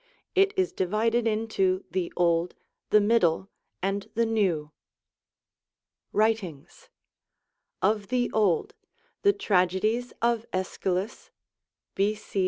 It is divided into the Old, the Middle, and the New. WHtinge. Of the Old, the tragedies of ./Eschylus (B. C.